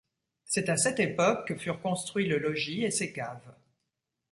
C’est à cette époque que furent construits le logis et ses caves.